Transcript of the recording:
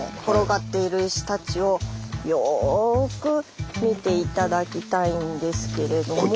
転がっている石たちをよく見て頂きたいんですけれども。